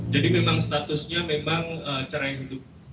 memang statusnya memang cerai hidup